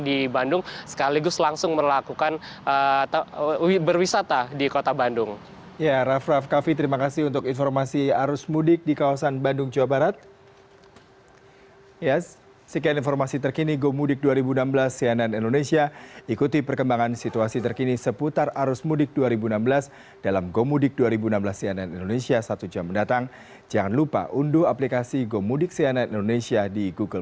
di bandung sekaligus langsung berwisata di kota bandung